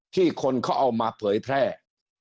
ที่คนเค้าเอามาเผยแทะ